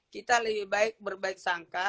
kita lebih baik berbaik sangka